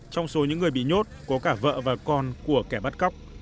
trong số những người bị nhốt có cả vợ và con của kẻ bắt cóc